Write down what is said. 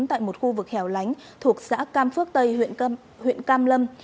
tại một khu vực hẻo lánh thuộc xã cam phước tây huyện cam lâm